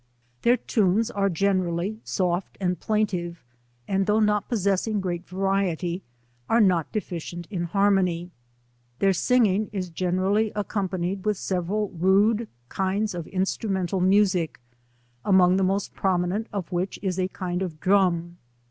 Their tunes are generally soft and plaintive, and though not possessing great variety, are not defici ent in harmony. — Their singing is generally accom panied with several rude kinds of instrumental music ; among th.e most prominent of which is a kind of a drum.